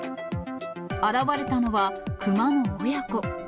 現れたのは熊の親子。